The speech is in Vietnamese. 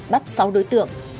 bắt sáu đối tượng